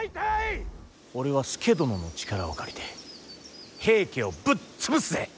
俺は佐殿の力を借りて平家をぶっ潰すぜ。